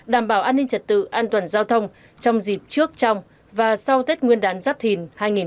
đảm bảo an ninh trật tự an toàn giao thông trong dịp trước trong và sau tết nguyên đán giáp thìn hai nghìn hai mươi bốn